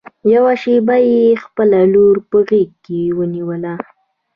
يوه شېبه يې خپله لور په غېږ کې ونيوله.